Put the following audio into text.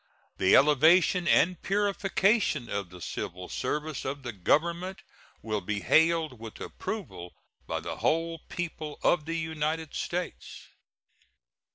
The elevation and purification of the civil service of the Government will be hailed with approval by the whole people of the United States.